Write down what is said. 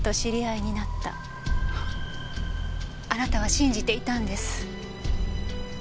あなたは信じていたんです。